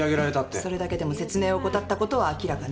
それだけでも説明を怠ったことは明らかね。